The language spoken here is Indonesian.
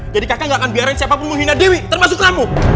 jadi kakak gak akan biarin siapa pun menghina dewi termasuk kamu